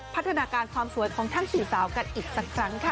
พัฒนาการความสวยของทั้งสี่สาวกันอีกสักครั้งค่ะ